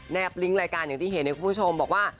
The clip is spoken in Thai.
บลิงก์รายการอย่างที่เห็นในคุณผู้ชมบอกว่า